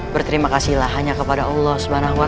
berterima kasihlah hanya kepada allah swt